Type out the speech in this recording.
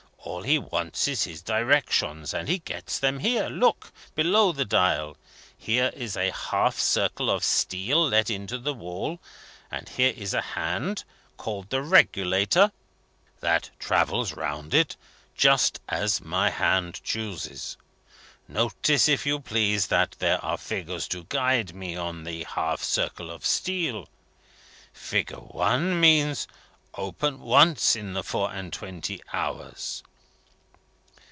All he wants is his directions, and he gets them here. Look below the dial. Here is a half circle of steel let into the wall, and here is a hand (called the regulator) that travels round it, just as my hand chooses. Notice, if you please, that there are figures to guide me on the half circle of steel. Figure I. means: Open once in the four and twenty hours.